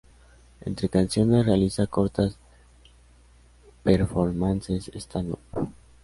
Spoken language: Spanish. Entre canciones, realiza cortas performances stand-up.